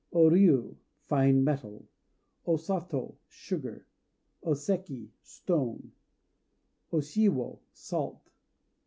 O Ryû "Fine Metal." O Sato "Sugar." O Seki "Stone." O Shiwo "Salt."